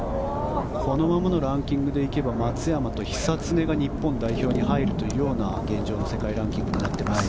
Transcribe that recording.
このままのランキングで行けば松山と久常が日本代表に入るような現状の世界ランキングです。